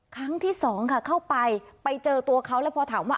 ครั้งที่สองค่ะเข้าไปไปเจอตัวเขาแล้วพอถามว่า